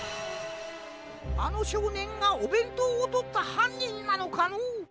あのしょうねんがおべんとうをとったはんにんなのかのう？